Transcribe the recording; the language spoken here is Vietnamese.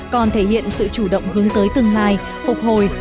còn thể hiện sự chủ động hướng tới tương lai phục hồi